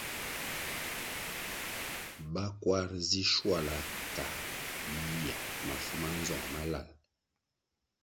Ba kwar zi shuala kā yiyihya mafu manzong malal.